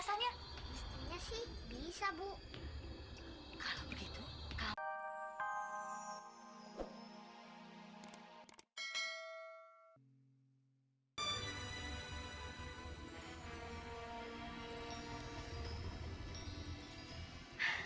sampai jumpa di video selanjutnya